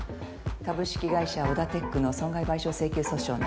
株式会社オダテックの損害賠償請求訴訟の。